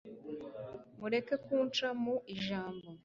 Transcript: mureke kunca mu ijambo